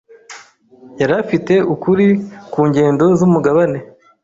yari afite ukuri kungendo zumugabane